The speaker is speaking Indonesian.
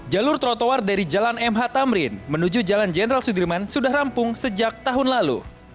jalur trotoar dari jalan mh tamrin menuju jalan jenderal sudirman sudah rampung sejak tahun lalu